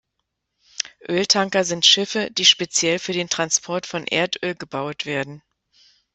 Öltanker sind Schiffe, die speziell für den Transport von Erdöl gebaut werden.